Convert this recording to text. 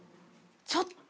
ちょっと。